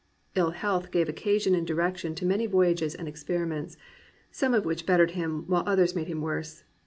'* Ill health gave occasion and direction to many voyages and experiments, some of which bettered him, while others made him worse.